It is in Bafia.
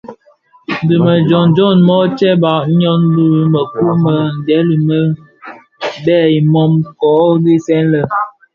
Dhi me jommog mōō tsebbag myom bi mëkuu më ndhèli më bi nken a mum kō dhesè lè.